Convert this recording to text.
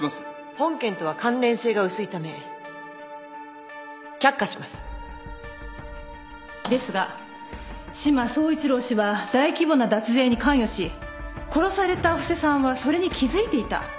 本件とは関連性が薄いため却下しますですが志摩総一郎氏は大規模な脱税に関与し殺された布施さんはそれに気付いていた。